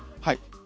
はい。